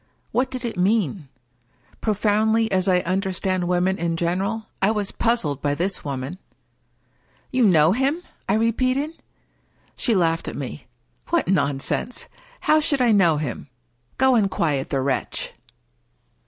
What did it mean ? Profoundly as I understand women in general, I was puz zled by this woman !" You know him ?" I repeated. She laughed at me. " What nonsense 1 How should I know him? Go and quiet the wretch."